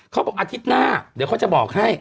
เขาบอกอาทิตย์หน้าเดี๋ยวเขาจะบอกให้